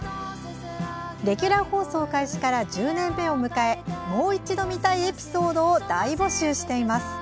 レギュラー放送開始から１０年目を迎えもう一度見たいエピソードを大募集しています。